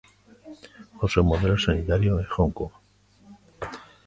O seu modelo sanitario é Hong Kong.